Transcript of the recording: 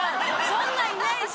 そんないないし。